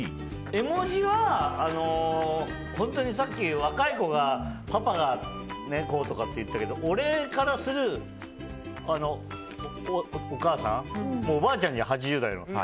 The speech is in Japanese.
絵文字は本当にさっき若い子がパパがこうとかって言ってたけど俺からするお母さんおばあちゃんじゃん、８０歳は。